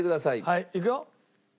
はいいくよ？